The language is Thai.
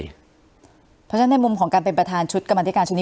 เพราะฉะนั้นในมุมของการเป็นประธานชุดกรรมธิการชุดนี้